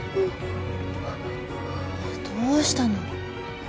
どうしたの？